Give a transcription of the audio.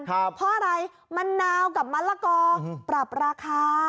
เพราะอะไรมะนาวกับมะละกอปรับราคา